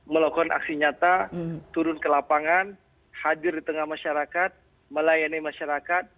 melakukan aksi nyata turun ke lapangan hadir di tengah masyarakat melayani masyarakat